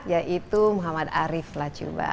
yaitu muhammad arief lachuba